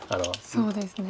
そうですね。